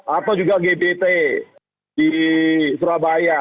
atau juga gbt di surabaya